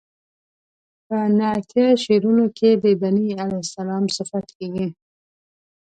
په نعتیه شعرونو کې د بني علیه السلام صفت کیږي.